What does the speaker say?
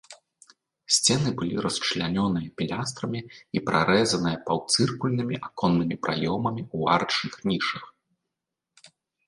Сцены былі расчлянёныя пілястрамі і прарэзаныя паўцыркульнымі аконнымі праёмамі ў арачных нішах.